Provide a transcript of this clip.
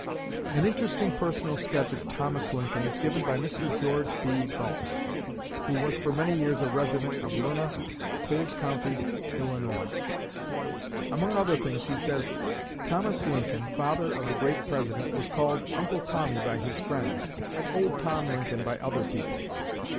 An interesting personal sketch of Thomas Lincoln is given by Mr. George B. Balch, who was for many years a resident of Lerna, Coles County, Illinois. Among other things he says: "Thomas Lincoln, father of the great President, was called Uncle Tommy by his friends and Old Tom Lincoln by other people.